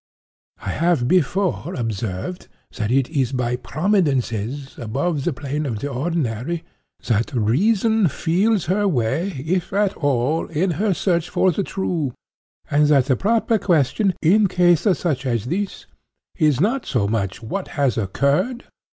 I have before observed that it is by prominences above the plane of the ordinary, that reason feels her way, if at all, in her search for the true, and that the proper question in cases such as this, is not so much 'what has occurred?